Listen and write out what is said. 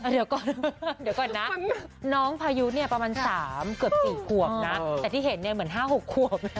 เดี๋ยวก่อนนะน้องพายุประมาณ๓๔ควบแต่ที่เห็นเหมือน๕๖ควบ